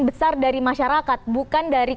besar dari masyarakat bukan dari